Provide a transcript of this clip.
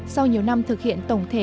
sau nhiều năm thực hiện tổng thể